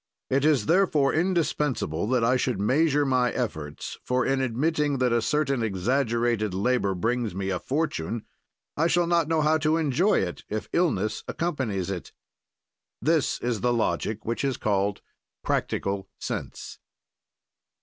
It is, therefore, indispensable that I should measure my efforts, for, admitting that a certain exaggerated labor brings me a fortune, I shall not know how to enjoy it if illness accompanies it. This is the logic which is called practical sense.